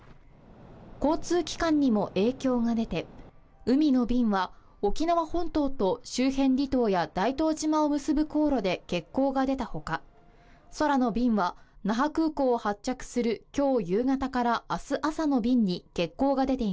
交通機関にも影響が出て、海の便は沖縄本島と周辺離島や大東島を結ぶ航路で欠航が出たほか、空の便は那覇空港を発着する今日